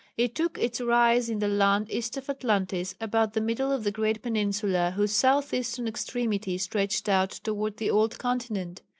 It took its rise in the land east of Atlantis, about the middle of the great peninsula whose south eastern extremity stretched out towards the old continent.